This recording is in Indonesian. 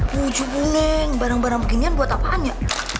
pujuk meneh barang barang beginian buat apaan ya